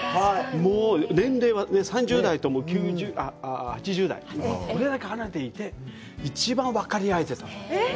年齢は３０代と８０代、これだけ離れていても一番分かり合えてたという。